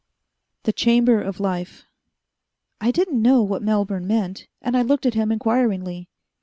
The Chamber of Life I didn't know what Melbourne meant, and I looked at him inquiringly.